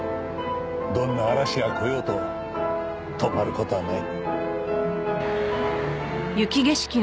どんな嵐が来ようと止まる事はない。